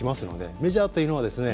メジャーというのはですね